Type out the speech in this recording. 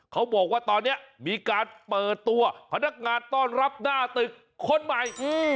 เขาบอกว่าตอนนี้มีการเปิดตัวพนักงานต้อนรับหน้าตึกคนใหม่